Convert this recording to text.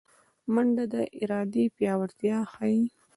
منډه د ارادې پیاوړتیا ښيي